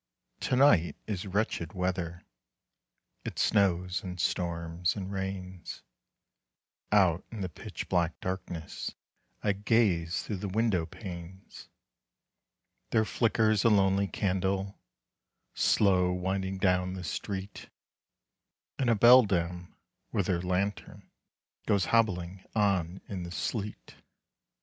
To night is wretched weather, It snows, and storms, and rains; Out in the pitch black darkness I gaze through the window panes. There flickers a lonely candle, Slow winding down the street; And a beldame, with her lantern, Goes hobbling on in the sleet.